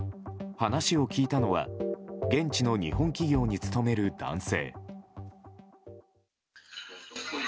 話を聞いたのは現地の日本企業に勤める男性。